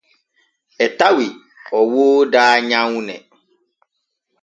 E tawi o wooda nyawne.